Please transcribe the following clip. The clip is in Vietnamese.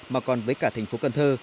mà còn với cả thành phố cần thơ